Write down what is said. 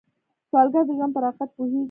سوالګر د ژوند پر حقیقت پوهېږي